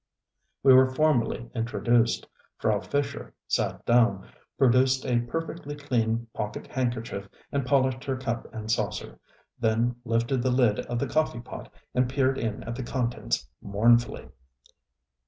We were formally introduced. Frau Fischer sat down, produced a perfectly clean pocket handkerchief and polished her cup and saucer, then lifted the lid of the coffee pot and peered in at the contents mournfully.